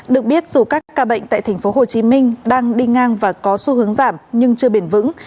được biết dù các ca bệnh tại thành phố hồ chí minh đang đi ngang và có xu hướng giảm nhưng chưa bền vững